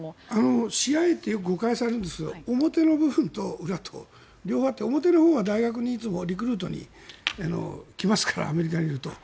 ＣＩＡってよく誤解されるんですが表の部分と裏と両方あって表のほうは大学にいつもリクルートに来ますからアメリカにいると。